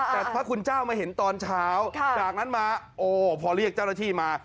แต่พระคุณเจ้ามาเห็นตอนเช้าจากนั้นมาโอ้พอเรียกเจ้าหน้าที่มา